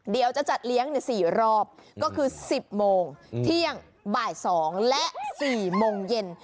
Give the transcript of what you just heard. เดี๋ยวจะจัดเลี้ยงเนี้ยสี่รอบก็คือสิบโมงเที่ยงบ่ายสองและสี่โมงเย็น